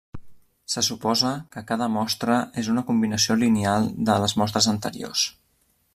Se suposa que cada mostra és una combinació lineal de les mostres anteriors.